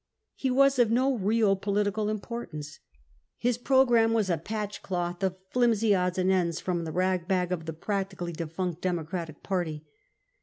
He was of no real political im portance ; his programme was a patchcloth of flimsy odds and ends from the rag bag of the practically defunct Democratic party.